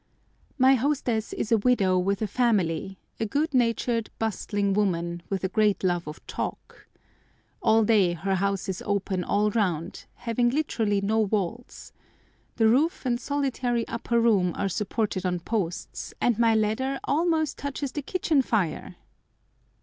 My hostess is a widow with a family, a good natured, bustling woman, with a great love of talk. All day her house is open all round, having literally no walls. The roof and solitary upper room are supported on posts, and my ladder almost touches the kitchen fire.